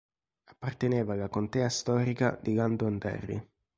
Apparteneva alla contea storica di Londonderry.